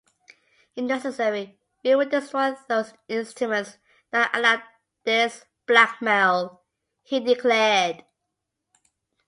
"If necessary we will destroy those instruments that allow this blackmail", he declared.